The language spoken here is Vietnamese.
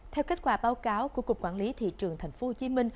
theo kết quả báo cáo của cục quản lý thị trường tp hcm